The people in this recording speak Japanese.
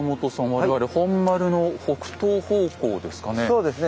我々本丸の北東方向ですかね？